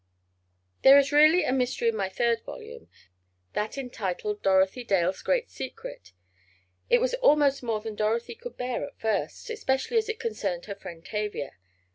There is really a mystery in my third volume—that entitled "Dorothy Dale's Great Secret." It was almost more than Dorothy could bear, at first, especially as it concerned her friend Tavia.